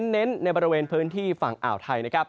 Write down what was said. เน้นในบริเวณพื้นที่ฝั่งอ่าวไทยนะครับ